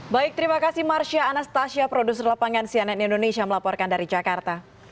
baik terima kasih marsha anastasia produser lapangan cnn indonesia melaporkan dari jakarta